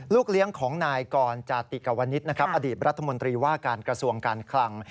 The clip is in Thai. ลูกเลี้ยงของนายกรจาติกาวนิตอดีตรัฐมนตรีว่าการกระทรวงการคลัง